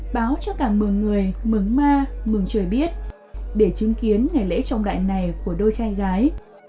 báo cho cả mừng người mừng ma mừng trời biết để chứng kiến ngày lễ trọng đại này của đôi trai gái